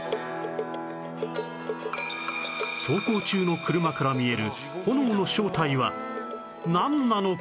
走行中の車から見える炎の正体はなんなのか？